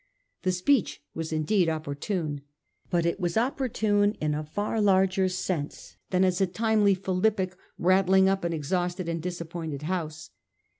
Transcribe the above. The speech was indeed opportune. But it was opportune, in a far larger sense than as a timely philippic rat tling up an exhausted and disappointed House.